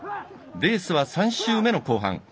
レースは３周目の後半。